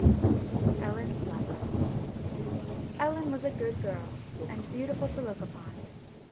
ELLEN'S LUCK, ELLEN was a good girl, and beautiful to look upon.